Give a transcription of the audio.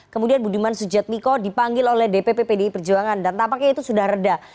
kemudian budiman sujatmiko dipanggil oleh dpp pdi perjuangan dan tampaknya itu sudah reda